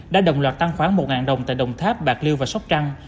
đã đồng loạt tăng khoảng một đồng tại đồng tháp bạc liêu và sóc trăng